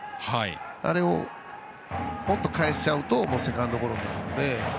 あれをもっと返しちゃうとセカンドゴロになるので。